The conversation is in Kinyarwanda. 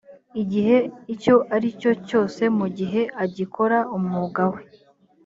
igihe icyo ari cyo cyose mu gihe agikora umwuga we